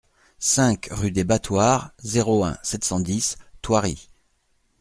cinq rue des Battoirs, zéro un, sept cent dix, Thoiry